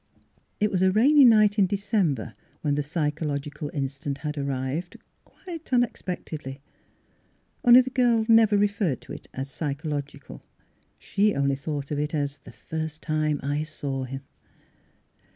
It was a rainy night in December when the psychological instant had arrived, quite unexpectedly. Only the girl never referred to it as pyschological ; she only thought of it as " the first time I saw him."